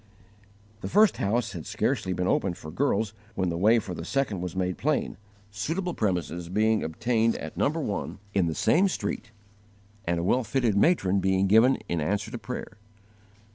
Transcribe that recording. The first house had scarcely been opened for girls when the way for the second was made plain, suitable premises being obtained at No. 1 in the same street, and a well fitted matron being given in answer to prayer.